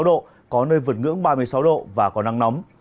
ba mươi độ có nơi vượt ngưỡng ba mươi sáu độ và có nắng nóng